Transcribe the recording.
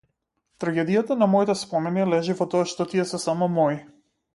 Трагедијата на моите спомени лежи во тоа што тие се само мои.